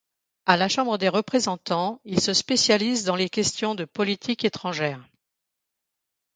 À la Chambre des représentants, il se spécialise dans les questions de politique étrangère.